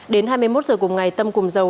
đến hai mươi một h cùng ngày tâm cùng dầu